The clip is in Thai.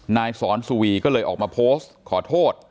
นายสอนสุวีก็เลยออกมาโพสต์ขอโทษ